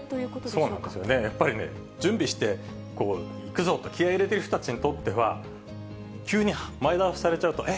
そうなんですよね、やっぱりね、準備していくぞと、気合い入れてる人たちにとっては、急に前倒しされちゃうと、え？